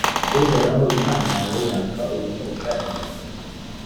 uhoraho imana yawe yanga urunuka ingeso mbi.